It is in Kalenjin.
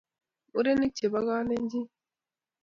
murenik chepo kalenjin